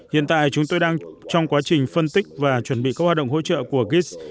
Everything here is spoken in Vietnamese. hiện tại chúng tôi đang trong quá trình phân tích và chuẩn bị các hoạt động hỗ trợ của giz